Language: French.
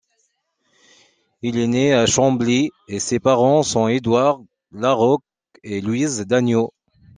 Il est né à Chambly et ses parents sont Édouard Larocque et Louise Daigneau.